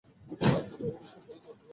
আপনি কখনোই সম্পত্তির তোয়াক্কা করেননি।